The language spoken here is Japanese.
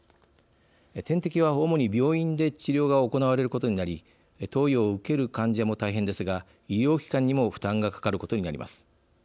点滴は、主に病院で治療が行われることになり投与を受ける患者も大変ですが医療機関にも負担がかかることになります。